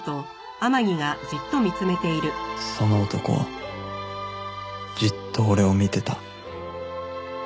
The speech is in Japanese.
その男はじっと俺を見てた